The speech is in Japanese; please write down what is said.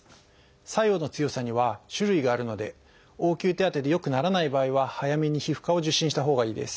作用の強さには種類があるので応急手当てでよくならない場合は早めに皮膚科を受診したほうがいいです。